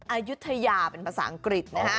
อายุทยาเป็นภาษาอังกฤษนะฮะ